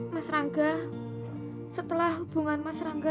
mas rangga setelah hubungan mas rangga